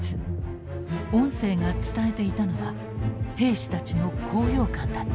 音声が伝えていたのは兵士たちの高揚感だった。